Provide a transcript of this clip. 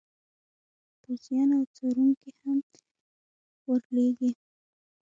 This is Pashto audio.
پوځیان او څارونکي هم ور لیږي.